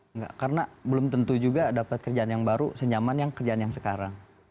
enggak karena belum tentu juga dapat kerjaan yang baru senyaman yang kerjaan yang sekarang